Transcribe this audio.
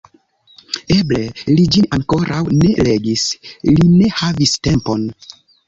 Eble li ĝin ankoraŭ ne legis, li ne havis tempon?